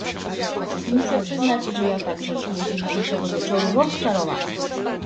Muszę przyznać, że ja także czuję się dzisiejszego wieczoru rozczarowana